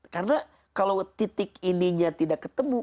karena kalau titik ininya tidak ketemu